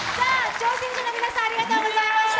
挑戦者の皆さんありがとうございました。